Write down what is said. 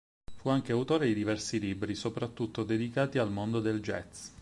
Fu anche autore di diversi libri soprattutto dedicati al mondo del jazz.